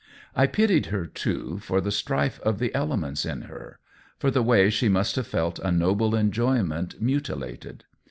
I pitied her, too, for the strife of the elements in her — for the way she must have felt a noble enjoyment muti lated.